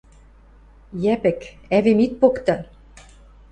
Йӓпӹк, ӓвим ит покты!